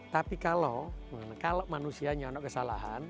tapi kalau manusia nyonok kesalahan